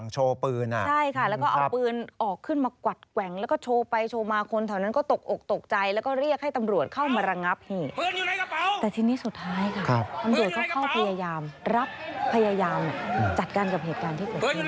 จัดการกับเหตุการณ์ที่เกิดขึ้น